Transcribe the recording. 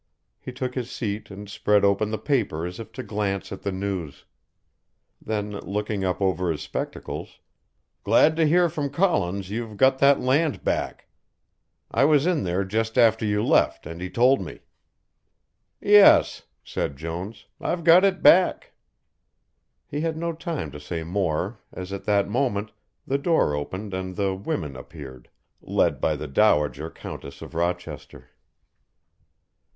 He took his seat and spread open the paper as if to glance at the news. Then looking up over his spectacles, "Glad to hear from Collins you've got that land back. I was in there just after you left and he told me." "Yes," said Jones, "I've got it back." He had no time to say more as at that moment the door opened and the "women" appeared, led by the Dowager Countess of Rochester.